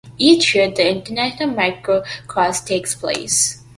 Each year, the international motocross takes place.